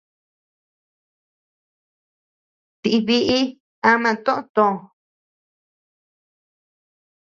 Ti biʼi ama toʼö too.